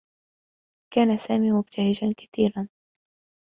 كان سامي مبتهجا كثيرا.